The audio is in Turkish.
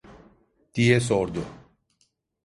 diye sordu.